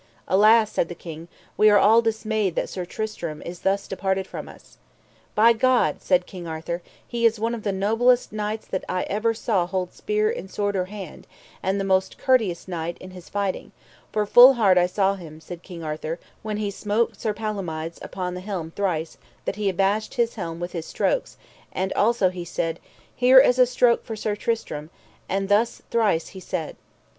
Alas, said the king, we are all dismayed that Sir Tristram is thus departed from us. By God, said King Arthur, he is one of the noblest knights that ever I saw hold spear or sword in hand, and the most courteoust knight in his fighting; for full hard I saw him, said King Arthur, when he smote Sir Palomides upon the helm thrice, that he abashed his helm with his strokes, and also he said: Here is a stroke for Sir Tristram, and thus thrice he said.